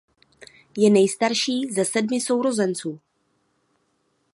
Je nejstarší ze sedmi sourozenců.